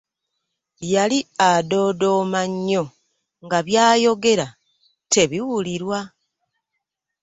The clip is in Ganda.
Yali adoodooma nnyo nga by'ayogera tebiwulirwa